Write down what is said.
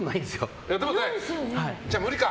じゃあ無理か。